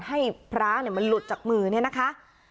ให้พระมันหลุดจากมือเนี่ยนะคะ